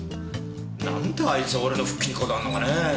なんであいつ俺の復帰にこだわるのかね？